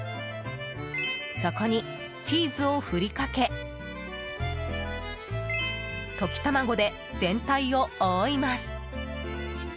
そこにチーズを振りかけ溶き卵で全体を覆います。